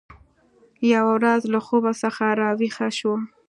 یوه ورځ له خوب څخه راویښه شوه